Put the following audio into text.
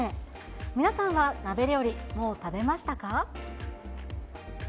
皆さんは鍋料理、もう食べましたか？